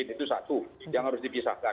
itu satu yang harus dipisahkan